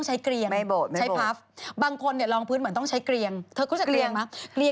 ใช้เกรียงใช้พัฟบางคนลองพื้นเหมือนต้องใช้เกรียงเธอเข้าใช้เกรียงมั้ย